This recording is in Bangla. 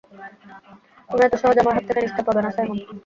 তুমি এত সহজে আমার হাত থেকে নিস্তার পাবে না, সাইমন।